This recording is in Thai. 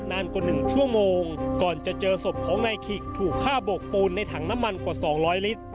นานกว่า๑ชั่วโมงก่อนจะเจอศพของนายขิกถูกฆ่าโบกปูนในถังน้ำมันกว่า๒๐๐ลิตร